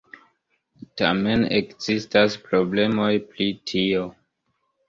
Tamen ekzistas problemoj pri tio.